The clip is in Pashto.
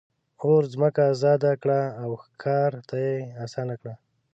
اور ځمکه آزاده کړه او ښکار ته یې آسانه کړه.